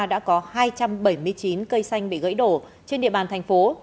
đã có hai trăm bảy mươi chín cây xanh bị gãy đổ trên địa bàn thành phố